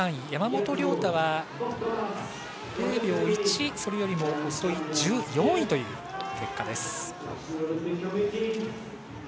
山本涼太は０秒１それよりも遅い１４位という結果です。